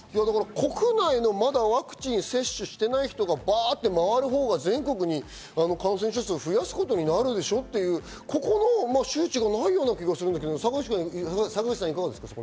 国内のワクチンを接種していない人がバっと回るほうが全国に感染者数を増やすことになるでしょっていう、ここの周知がない気がする、坂口さん、いかがですか？